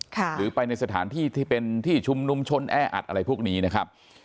หรือไปในสถานที่ที่เป็นที่ชุมนุมชนแออัดอะไรพวกนี้นะครับ